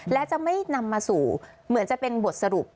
และจะไม่นำมาสู่เหมือนจะเป็นบทสรุป